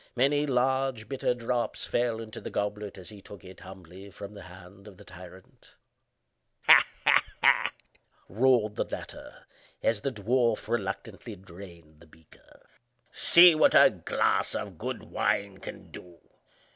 Many large, bitter drops fell into the goblet as he took it, humbly, from the hand of the tyrant. "Ah! ha! ha! ha!" roared the latter, as the dwarf reluctantly drained the beaker. "See what a glass of good wine can do!